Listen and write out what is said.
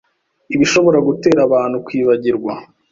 ibishobora gutera abantu kwibagirwa